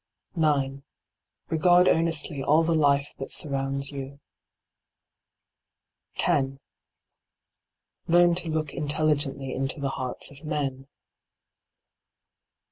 9. Regard earnestly all the life that sur rounds you. 10. Learn to look intelligently into the hearts of men.